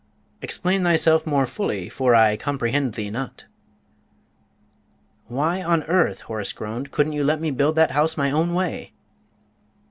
"Explain thyself more fully, for I comprehend thee not." "Why on earth," Horace groaned, "couldn't you let me build that house my own way?"